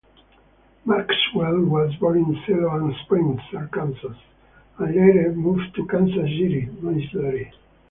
Maxwell was born in Siloam Springs, Arkansas, and later moved to Kansas City, Missouri.